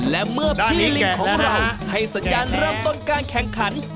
และเมื่อพี่ลินของเราให้สัญญาณเริ่มต้นการแข่งขัน